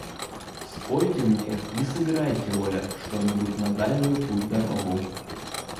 Спойте мне и сыграйте, Оля, что-нибудь на дальнюю путь-дорогу.